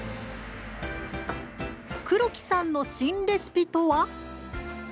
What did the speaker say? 黒木さんの新レシピとは。